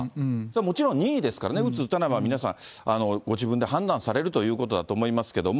もちろん任意ですからね、打つ打たないは、皆さんご自分で判断されるということだと思いますけども。